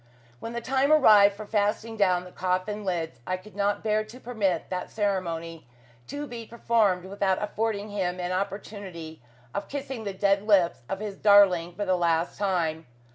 When the time arrived for fastening down the coffin lids, I could not bear to permit that ceremony to be performed without affording him an opportunity of kissing the dead lips of his darling for the last time.